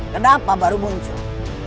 kenapa baru muncul